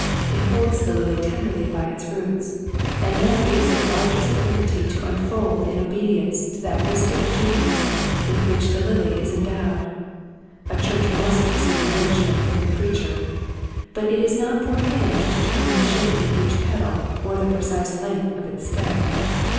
It holds the lily tenderly by its roots and then gives it largest liberty to unfold in obedience to that mystic genius with which the lily is endowed. A church must receive nourishment from the preacher, but it is not for him to determine the shape of each petal or the precise length of its stem.